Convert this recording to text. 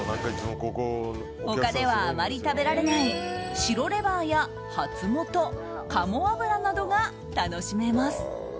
他ではあまり食べられない白レバーやハツモトカモアブラなどが楽しめます。